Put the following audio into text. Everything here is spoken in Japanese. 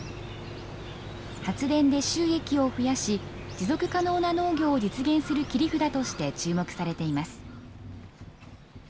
発電で収益を増やし、持続可能な農業を実現する切り札として注目されています。